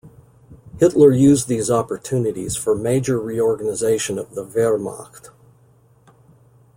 Hitler used these opportunities for major reorganization of the "Wehrmacht".